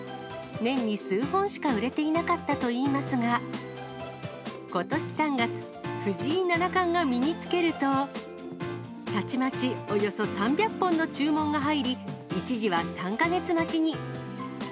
年に数本しか売れていなかったといいますが、ことし３月、藤井七冠が身につけると、たちまちおよそ３００本の注文が入り、一時は３か月待ちに。